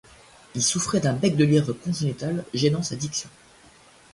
Il souffrait d’un bec-de-lièvre congénital génant sa diction.